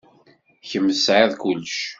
Kemm tesɛiḍ kullec.